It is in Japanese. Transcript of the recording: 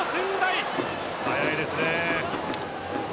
速いですね。